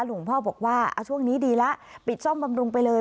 หลวงพ่อบอกว่าช่วงนี้ดีแล้วปิดซ่อมบำรุงไปเลย